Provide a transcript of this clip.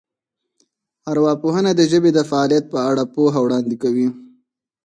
ارواپوهنه د ژبې د فعالیت په اړه پوهه وړاندې کوي